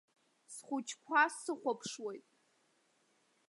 Схәыҷқәа сыхәаԥшуеит.